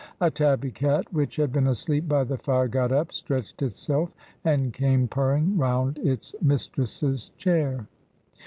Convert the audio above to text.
A tabby cat, which had been asleep by the fire, got up, stretched itself, and came purring round its mistress's chair.